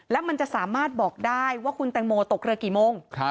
แล้วมันจะสามารถบอกได้ว่าคุณแตงโมตกเรือกี่โมง